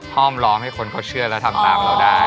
ฮอมให้คนเขาทรงเชื่อและก็ทำตามเราได้